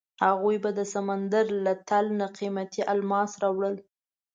هغوی به د سمندر له تل نه قیمتي الماس راوړل.